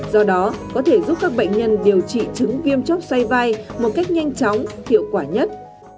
do đó có thể giúp các bệnh nhân điều trị chứng viêm chóc xoay vai một cách nhanh chóng hiệu quả nhất